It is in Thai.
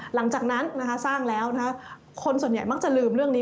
หลังจากนั้นสร้างแล้วคนส่วนใหญ่มักจะลืมเรื่องนี้